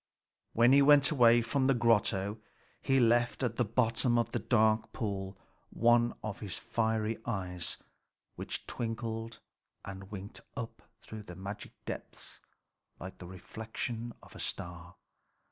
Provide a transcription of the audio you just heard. When he went away from the grotto, he left at the bottom of the dark pool one of his fiery eyes, which twinkled and winked up through the magic depths like the reflection of a star.